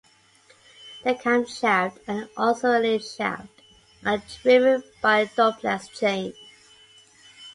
The camshaft and auxiliary shaft are driven by a 'duplex' chain.